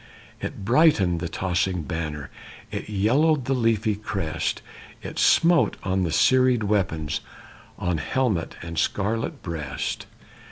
It brightened the tossing banner; It yellowed the leafy crest; It smote on the serried weapons, On helmet and scarlet breast.